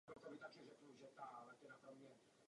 Jsem rád, že jste ji zmínil.